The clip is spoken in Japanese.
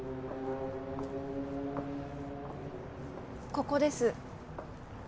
ここです。